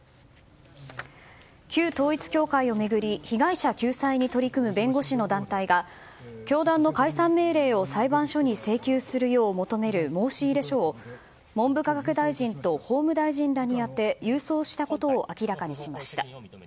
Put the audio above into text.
旧統一教会を巡り被害者救済を取組む弁護士の団体が教団の解散命令を裁判所に請求するよう求める申入書を文部科学大臣と法務大臣らに宛て郵送したことを明らかにしました。